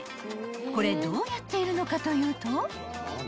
［これどうやっているのかというと］